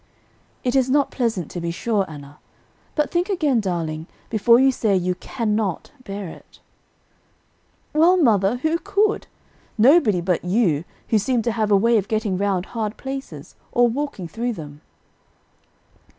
"It is not pleasant, to be sure, Anna; but think again, darling, before you say you can not bear it." "Well, mother, who could? Nobody but you, who seem to have a way of getting round hard places, or walking through them."